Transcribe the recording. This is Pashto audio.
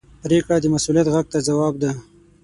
پرېکړه د مسؤلیت غږ ته ځواب ده.